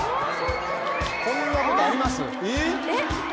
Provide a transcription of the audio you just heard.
こんなことあります？